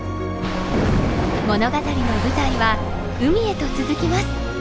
物語の舞台は海へと続きます。